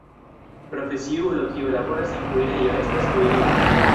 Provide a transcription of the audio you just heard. Profesiulo kiu laboras en kuirejo estas kuiristo.